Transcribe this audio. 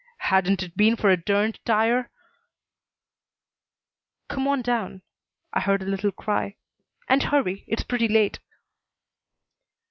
Hadn't it been for a durned tire " "Come on down." I heard a little cry. "And hurry. It's pretty late."